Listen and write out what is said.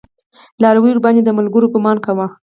لارويو ورباندې د ملګرو ګمان کوه.